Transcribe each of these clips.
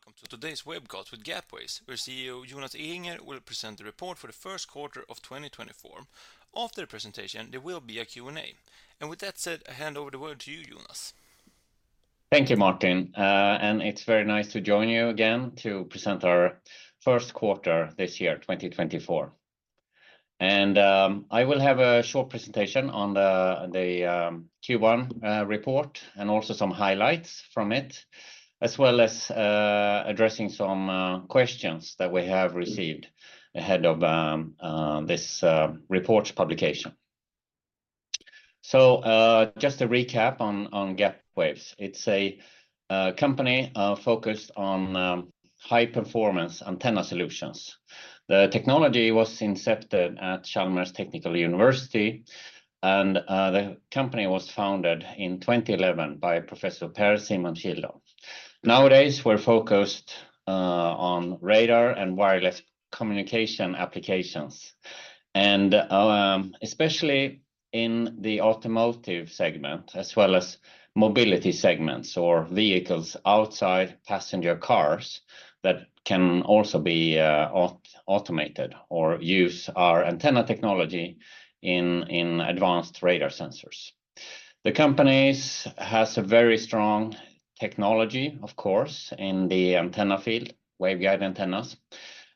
Hello, and welcome to today's webcast with Gapwaves, where CEO Jonas Ehinger will present the report for the first quarter of 2024. After the presentation, there will be a Q&A. With that said, I hand over the word to you, Jonas. Thank you, Martin. It's very nice to join you again to present our first quarter this year, 2024. I will have a short presentation on the Q1 report, and also some highlights from it, as well as addressing some questions that we have received ahead of this report publication. Just a recap on Gapwaves. It's a company focused on high-performance antenna solutions. The technology was incepted at Chalmers University of Technology, and the company was founded in 2011 by Professor Per-Simon Kildal. Nowadays, we're focused on radar and wireless communication applications, and especially in the automotive segment, as well as mobility segments or vehicles outside passenger cars, that can also be automated or use our antenna technology in advanced radar sensors. The company has a very strong technology, of course, in the antenna field, waveguide antennas,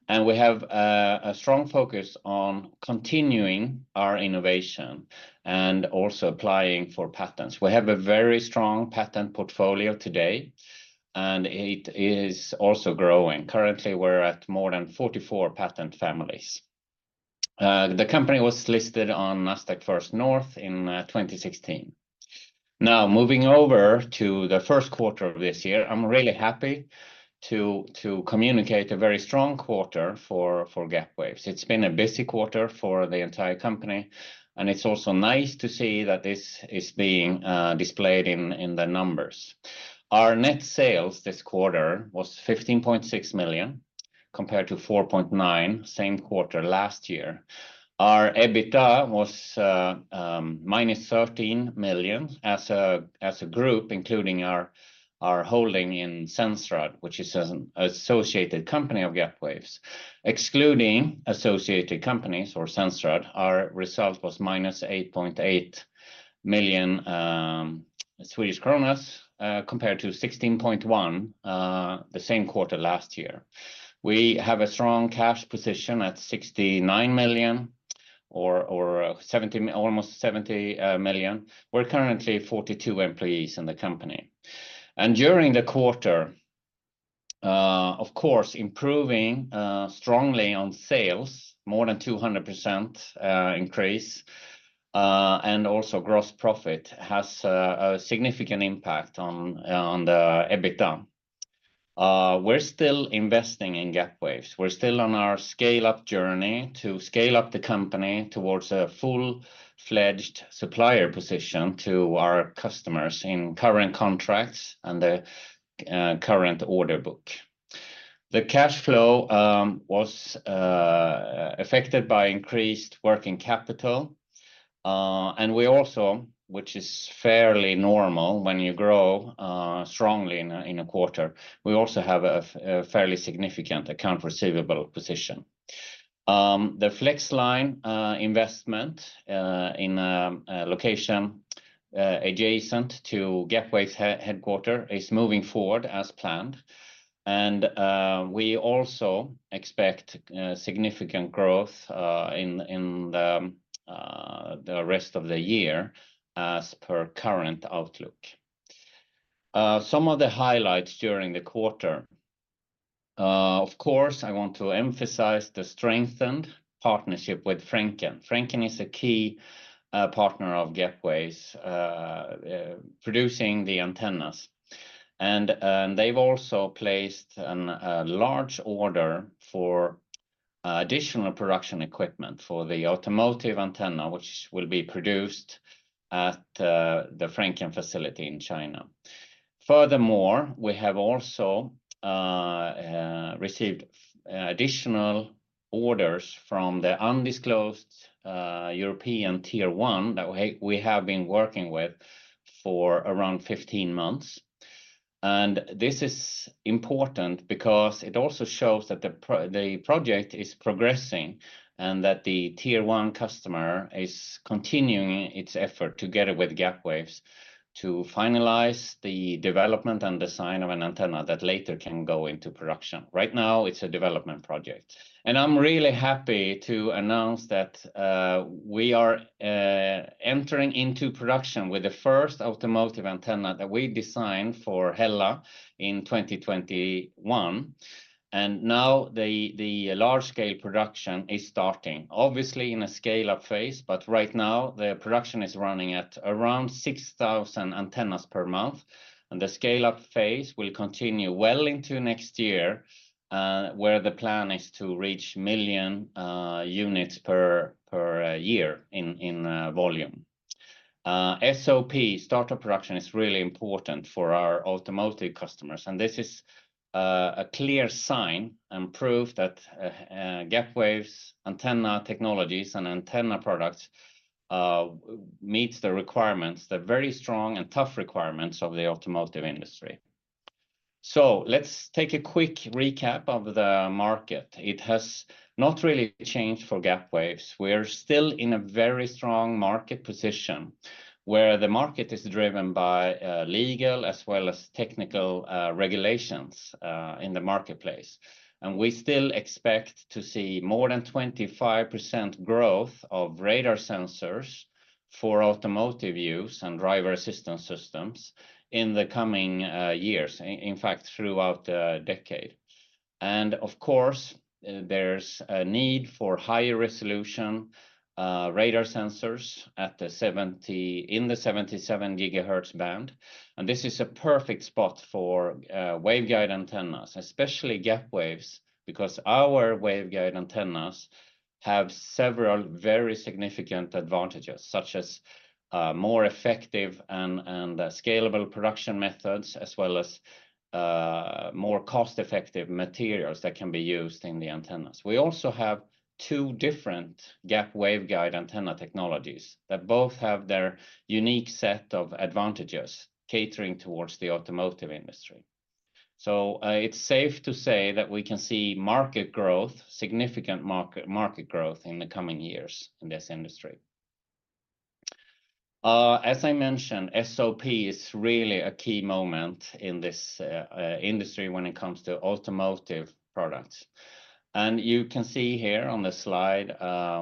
and we have a strong focus on continuing our innovation and also applying for patents. We have a very strong patent portfolio today, and it is also growing. Currently, we're at more than 44 patent families. The company was listed on Nasdaq First North in 2016. Now, moving over to the first quarter of this year, I'm really happy to communicate a very strong quarter for Gapwaves. It's been a busy quarter for the entire company, and it's also nice to see that this is being displayed in the numbers. Our net sales this quarter was 15.6 million, compared to 4.9 million, same quarter last year. Our EBITDA was -13 million as a group, including our holding in Sensrad, which is an associated company of Gapwaves. Excluding associated companies or Sensrad, our result was -8.8 million Swedish kronas compared to 16.1 million the same quarter last year. We have a strong cash position at 69 million or almost 70 million. We're currently 42 employees in the company. And during the quarter, of course, improving strongly on sales, more than 200% increase, and also gross profit has a significant impact on the EBITDA. We're still investing in Gapwaves. We're still on our scale-up journey to scale up the company towards a full-fledged supplier position to our customers in current contracts and the current order book. The cash flow was affected by increased working capital, and we also, which is fairly normal when you grow strongly in a quarter, we also have a fairly significant account receivable position. The FlexLine investment in a location adjacent to Gapwaves' headquarters is moving forward as planned, and we also expect significant growth in the rest of the year as per current outlook. Some of the highlights during the quarter. Of course, I want to emphasize the strengthened partnership with Frencken. Frencken is a key partner of Gapwaves producing the antennas. And they've also placed a large order for additional production equipment for the automotive antenna, which will be produced at the Frencken facility in China. Furthermore, we have also received additional orders from the undisclosed European Tier 1 that we have been working with for around 15 months. And this is important because it also shows that the project is progressing, and that the Tier 1 customer is continuing its effort together with Gapwaves to finalize the development and design of an antenna that later can go into production. Right now, it's a development project. I'm really happy to announce that we are entering into production with the first automotive antenna that we designed for HELLA in 2021, and now the large-scale production is starting, obviously, in a scale-up phase, but right now the production is running at around 6,000 antennas per month, and the scale-up phase will continue well into next year, where the plan is to reach 1,000,000 units per year in volume. SOP, start of production, is really important for our automotive customers, and this is a clear sign and proof that Gapwaves' antenna technologies and antenna products meets the requirements, the very strong and tough requirements of the automotive industry. Let's take a quick recap of the market. It has not really changed for Gapwaves. We're still in a very strong market position, where the market is driven by legal as well as technical regulations in the marketplace. We still expect to see more than 25% growth of radar sensors for automotive use and driver assistance systems in the coming years, in fact, throughout the decade. Of course, there's a need for higher resolution radar sensors at the 77 GHz band. This is a perfect spot for waveguide antennas, especially Gapwaves, because our waveguide antennas have several very significant advantages, such as more effective and scalable production methods, as well as more cost-effective materials that can be used in the antennas. We also have two different gap waveguide antenna technologies, that both have their unique set of advantages, catering towards the automotive industry. So, it's safe to say that we can see market growth, significant market, market growth in the coming years in this industry. As I mentioned, SOP is really a key moment in this industry when it comes to automotive products. And you can see here on the slide,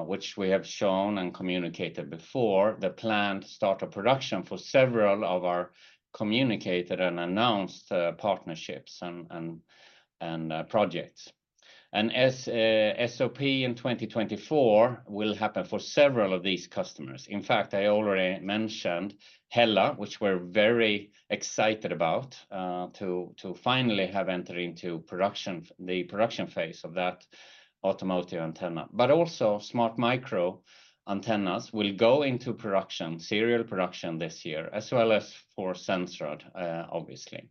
which we have shown and communicated before, the planned start of production for several of our communicated and announced partnerships and projects. And SOP in 2024 will happen for several of these customers. In fact, I already mentioned HELLA, which we're very excited about, to finally have entered into production, the production phase of that automotive antenna. But also smartmicro antennas will go into production, serial production this year, as well as for Sensrad, obviously.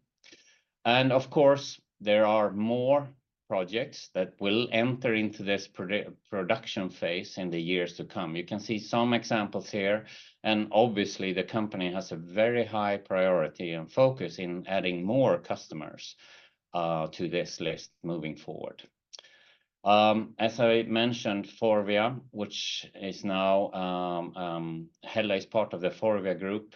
Of course, there are more projects that will enter into this production phase in the years to come. You can see some examples here, and obviously the company has a very high priority and focus in adding more customers to this list moving forward. As I mentioned, FORVIA, which is now HELLA is part of the FORVIA Group.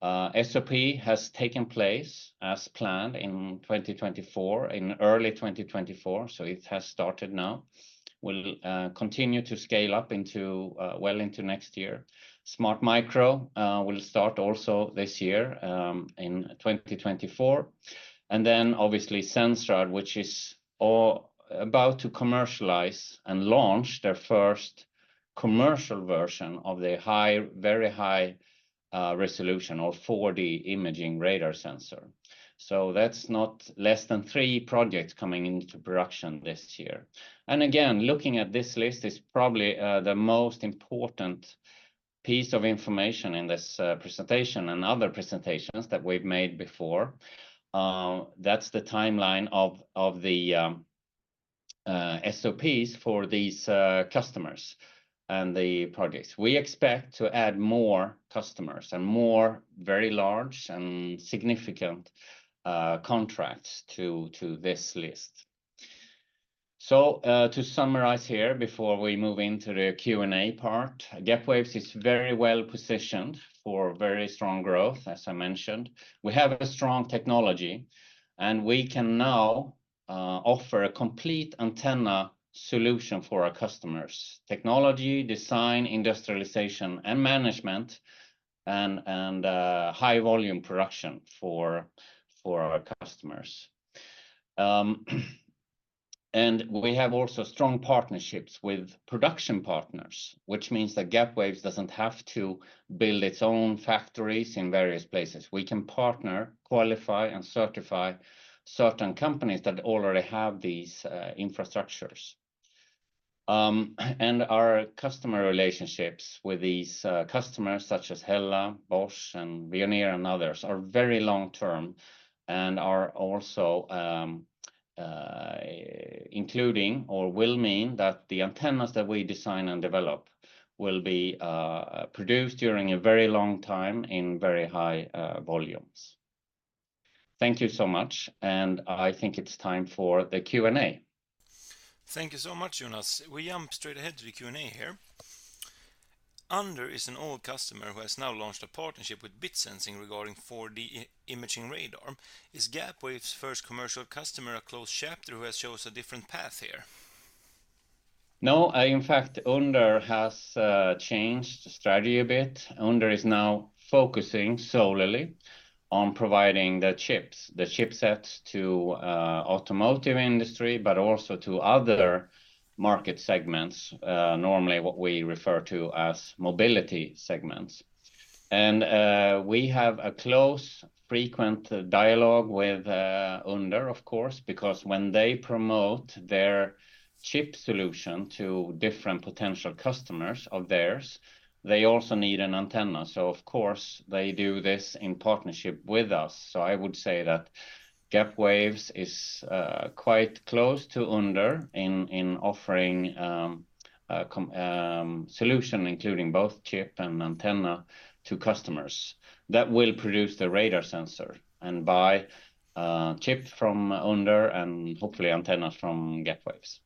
SOP has taken place as planned in 2024, in early 2024, so it has started now. We'll continue to scale up into well into next year. smartmicro will start also this year, in 2024. And then obviously, Sensrad, which is about to commercialize and launch their first commercial version of the high, very high resolution or 4D imaging radar sensor. So that's not less than three projects coming into production this year. Again, looking at this list is probably the most important piece of information in this presentation and other presentations that we've made before. That's the timeline of the SOPs for these customers and the projects. We expect to add more customers and more very large and significant contracts to this list. So, to summarize here before we move into the Q&A part, Gapwaves is very well positioned for very strong growth, as I mentioned. We have a strong technology, and we can now offer a complete antenna solution for our customers. Technology, design, industrialization, and management, and high volume production for our customers. And we have also strong partnerships with production partners, which means that Gapwaves doesn't have to build its own factories in various places. We can partner, qualify, and certify certain companies that already have these infrastructures. Our customer relationships with these customers, such as HELLA, Bosch, and Veoneer, and others, are very long-term and are also including or will mean that the antennas that we design and develop will be produced during a very long time in very high volumes. Thank you so much, and I think it's time for the Q&A. Thank you so much, Jonas. We jump straight ahead to the Q&A here. Uhnder is an old customer who has now launched a partnership with bitsensing regarding 4D imaging radar. Is Gapwaves' first commercial customer a closed chapter who has chose a different path here? No, in fact, Uhnder has changed strategy a bit. Uhnder is now focusing solely on providing the chips, the chipsets, to automotive industry, but also to other market segments, normally what we refer to as mobility segments. And we have a close, frequent dialogue with Uhnder, of course, because when they promote their chip solution to different potential customers of theirs, they also need an antenna. So of course, they do this in partnership with us. So I would say that Gapwaves is quite close to Uhnder in offering combined solution, including both chip and antenna to customers. That will produce the radar sensor and buy chip from Uhnder and hopefully antennas from Gapwaves.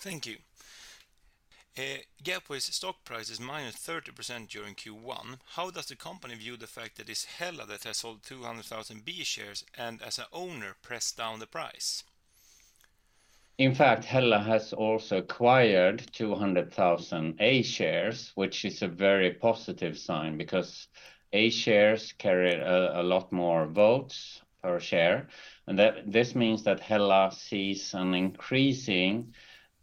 Thank you. Gapwaves stock price is minus 30% during Q1. How does the company view the fact that it's HELLA that has sold 200,000 B shares, and as a owner, pressed down the price? In fact, HELLA has also acquired 200,000 A shares, which is a very positive sign, because A shares carry a lot more votes per share. And this means that HELLA sees an increasing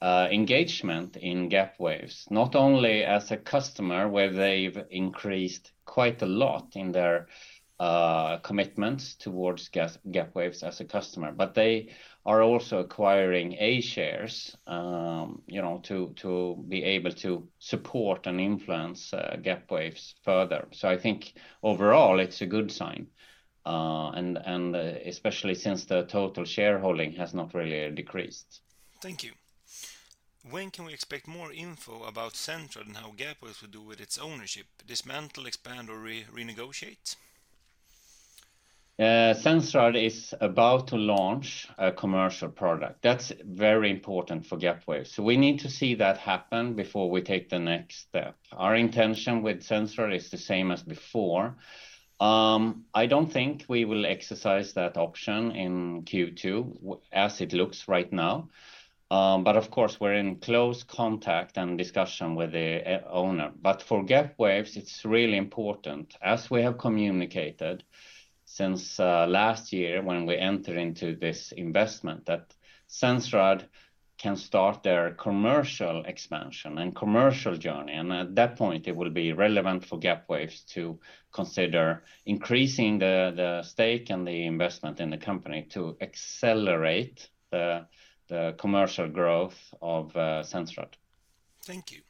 engagement in Gapwaves, not only as a customer, where they've increased quite a lot in their commitments towards Gapwaves as a customer, but they are also acquiring A shares, you know, to be able to support and influence Gapwaves further. So I think overall, it's a good sign, and especially since the total shareholding has not really decreased. Thank you. When can we expect more info about Sensrad and how Gapwaves will do with its ownership? Dismantle, expand, or renegotiate? Sensrad is about to launch a commercial product. That's very important for Gapwaves. So we need to see that happen before we take the next step. Our intention with Sensrad is the same as before. I don't think we will exercise that option in Q2, as it looks right now, but of course, we're in close contact and discussion with the owner. But for Gapwaves, it's really important, as we have communicated since last year when we entered into this investment, that Sensrad can start their commercial expansion and commercial journey. And at that point, it will be relevant for Gapwaves to consider increasing the stake and the investment in the company to accelerate the commercial growth of Sensrad. Thank you.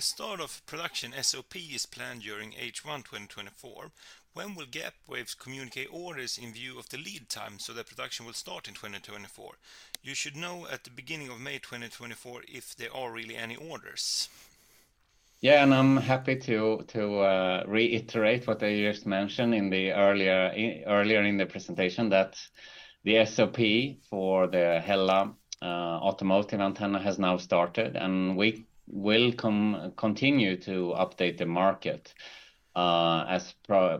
Start of production, SOP, is planned during H1 2024. When will Gapwaves communicate orders in view of the lead time, so that production will start in 2024? You should know at the beginning of May 2024, if there are really any orders. Yeah, and I'm happy to reiterate what I just mentioned earlier in the presentation, that the SOP for the HELLA automotive antenna has now started, and we will continue to update the market as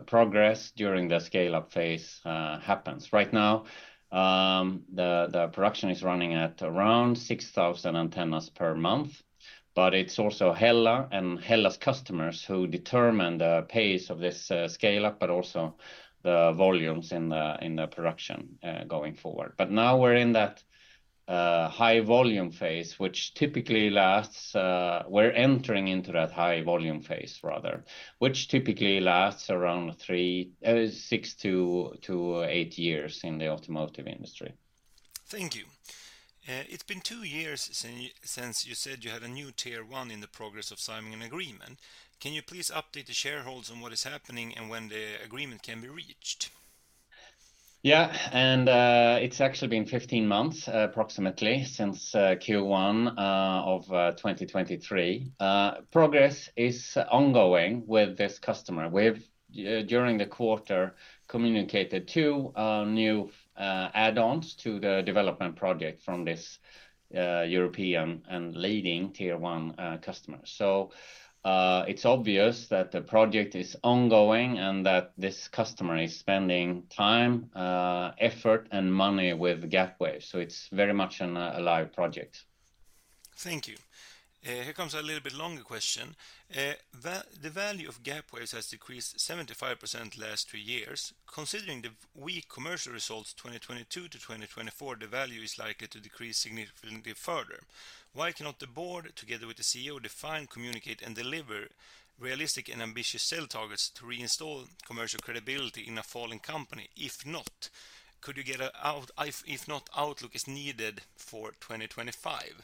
progress during the scale-up phase happens. Right now, the production is running at around 6,000 antennas per month, but it's also HELLA and HELLA's customers who determine the pace of this scale up, but also the volumes in the production going forward. But now we're in that high volume phase, which typically lasts... We're entering into that high volume phase, rather, which typically lasts around three, six-eight years in the automotive industry. Thank you. It's been two years since you said you had a new Tier one in the progress of signing an agreement. Can you please update the shareholders on what is happening and when the agreement can be reached? Yeah, and it's actually been 15 months, approximately, since Q1 of 2023. Progress is ongoing with this customer. We've during the quarter communicated two new add-ons to the development project from this European and leading Tier one customer. So it's obvious that the project is ongoing and that this customer is spending time, effort, and money with Gapwaves. So it's very much a live project. Thank you. Here comes a little bit longer question. The value of Gapwaves has decreased 75% last three years. Considering the weak commercial results, 2022-2024, the value is likely to decrease significantly further. Why cannot the board, together with the CEO, define, communicate, and deliver realistic and ambitious sales targets to reinstall commercial credibility in a falling company? If not, could you get an outlook? If not, outlook is needed for 2025.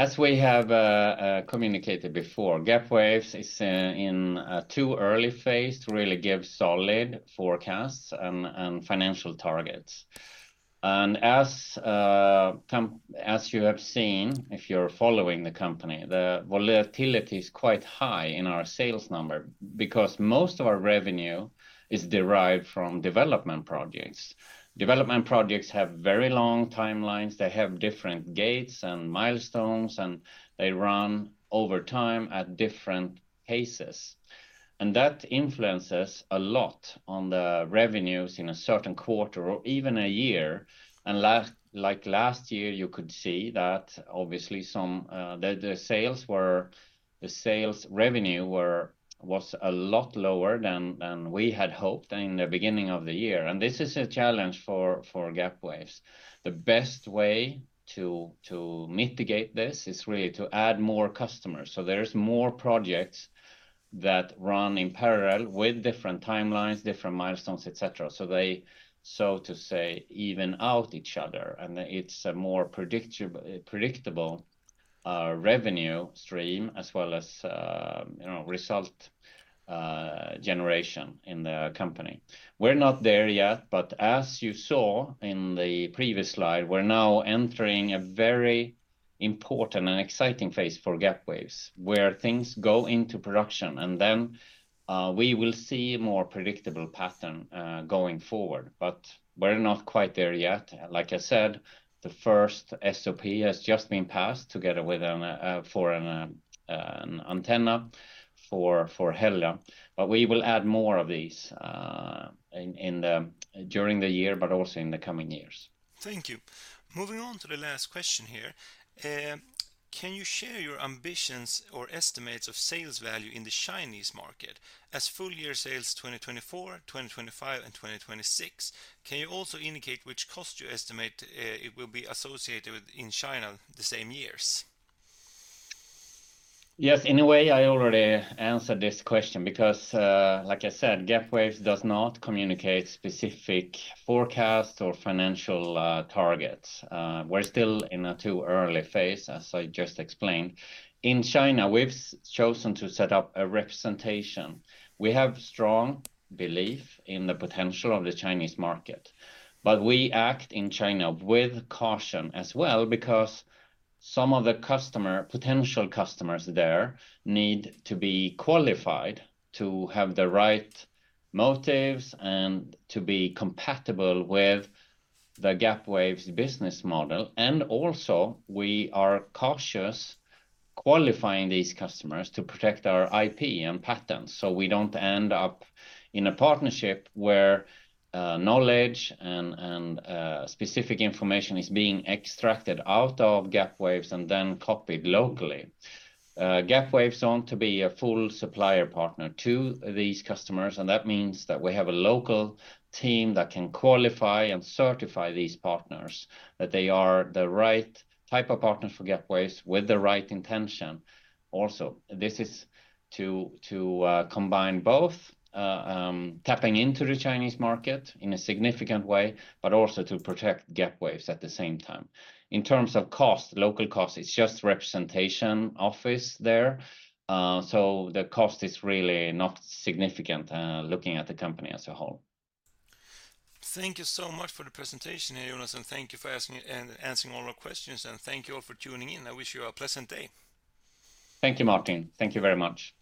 As we have communicated before, Gapwaves is in a too early phase to really give solid forecasts and financial targets. And as you have seen, if you're following the company, the volatility is quite high in our sales number because most of our revenue is derived from development projects. Development projects have very long timelines, they have different gates and milestones, and they run over time at different paces. And that influences a lot on the revenues in a certain quarter or even a year. And last, like last year, you could see that obviously some the sales were. The sales revenue was a lot lower than we had hoped in the beginning of the year. And this is a challenge for Gapwaves. The best way to mitigate this is really to add more customers. So there's more projects that run in parallel with different timelines, different milestones, et cetera. So they, so to say, even out each other, and it's a more predictable revenue stream, as well as, you know, result generation in the company. We're not there yet, but as you saw in the previous slide, we're now entering a very important and exciting phase for Gapwaves, where things go into production, and then we will see more predictable pattern going forward. But we're not quite there yet. Like I said, the first SOP has just been passed together with an antenna for HELLA. But we will add more of these during the year, but also in the coming years. Thank you. Moving on to the last question here. Can you share your ambitions or estimates of sales value in the Chinese market as full year sales 2024, 2025, and 2026? Can you also indicate which cost you estimate it will be associated with in China the same years? Yes, in a way, I already answered this question because, like I said, Gapwaves does not communicate specific forecast or financial targets. We're still in a too early phase, as I just explained. In China, we've chosen to set up a representation. We have strong belief in the potential of the Chinese market, but we act in China with caution as well, because some of the potential customers there need to be qualified to have the right motives and to be compatible with the Gapwaves business model. And also, we are cautious qualifying these customers to protect our IP and patents, so we don't end up in a partnership where knowledge and specific information is being extracted out of Gapwaves and then copied locally. Gapwaves wants to be a full supplier partner to these customers, and that means that we have a local team that can qualify and certify these partners, that they are the right type of partners for Gapwaves with the right intention. Also, this is to combine both, tapping into the Chinese market in a significant way, but also to protect Gapwaves at the same time. In terms of cost, local cost, it's just representation office there. So the cost is really not significant, looking at the company as a whole. Thank you so much for the presentation, Jonas, and thank you for asking... answering all our questions, and thank you all for tuning in. I wish you a pleasant day. Thank you, Martin. Thank you very much.